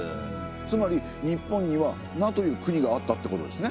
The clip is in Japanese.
つまり日本には奴という国があったってことですね。